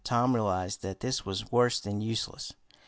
Tom realized that this was worse than useless.